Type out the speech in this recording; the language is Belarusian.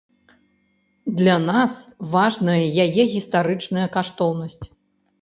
Для нас важная яе гістарычная каштоўнасць.